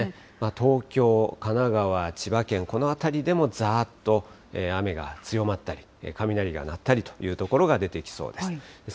東京、神奈川、千葉県、この辺りでもざーっと雨が強まったり、雷が鳴ったりという所が出てきそうです。